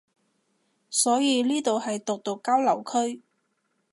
所以呢度係毒毒交流區